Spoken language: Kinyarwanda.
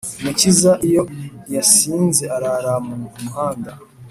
mukiza iyo yasinze arara mu muhanda